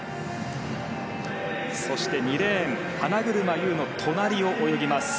そして２レーン花車優の隣を泳ぎます。